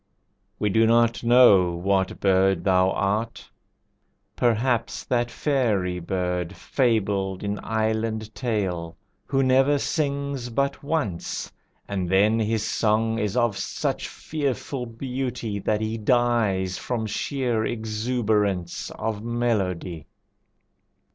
We do not know what bird thou art. Perhaps That fairy bird, fabled in island tale, Who never sings but once, and then his song Is of such fearful beauty that he dies From sheer exuberance of melody.